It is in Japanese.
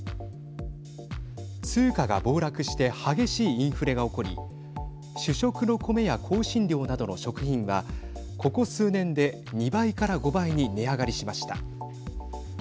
通貨が暴落して激しいインフレが起こり主食の米や香辛料などの食品はここ数年で２倍から５倍に値上がりしました。